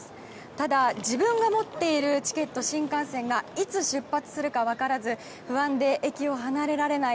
ただ自分が持っているチケットの新幹線がいつ出発するか分からず不安で駅を離れられない。